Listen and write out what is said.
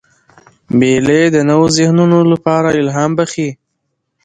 مېلې د نوو ذهنونو له پاره الهام بخښي.